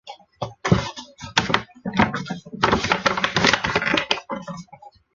新城劲爆励志儿歌颁奖礼。